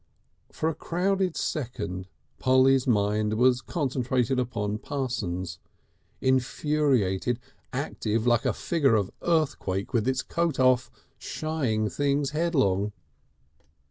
For a crowded second Polly's mind was concentrated upon Parsons, infuriated, active, like a figure of earthquake with its coat off, shying things headlong.